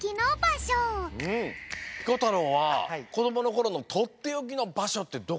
ピコ太郎はこどものころのとっておきのばしょってどこになんの？